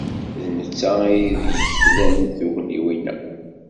D netta ay d-yeklan tugniwin-a.